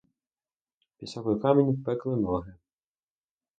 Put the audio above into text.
Пісок і камінь пекли ноги.